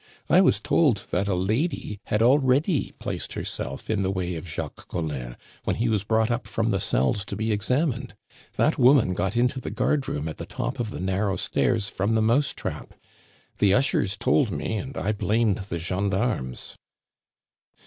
"I was told that a lady had already placed herself in the way of Jacques Collin when he was brought up from the cells to be examined. That woman got into the guardroom at the top of the narrow stairs from the mousetrap; the ushers told me, and I blamed the gendarmes."